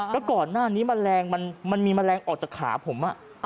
ก็ก่อนหน้านี้มะแรงมันมีมะแรงออกจากขาผม